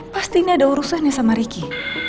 pasti ini ada urusan ya sama ricky